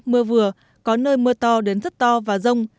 mưa vừa có nơi mưa to đến rất to và rông